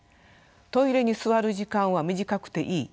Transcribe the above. トイレに座る時間は短くていい。